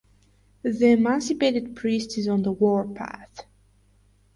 The emancipated priest is on the warpath.